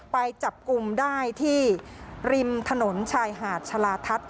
ไปจับกลุ่มได้ที่ริมถนนชายหาดชะลาทัศน์